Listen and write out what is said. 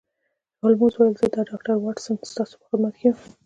هولمز وویل چې زه او ډاکټر واټسن ستاسو په خدمت کې یو